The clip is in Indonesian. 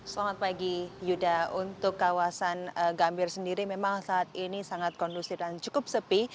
selamat pagi yuda untuk kawasan gambir sendiri memang saat ini sangat kondusif dan cukup sepi